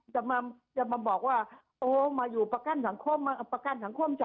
จะมาบอกว่าโอ๊ะมาอยู่กับประกันสังคม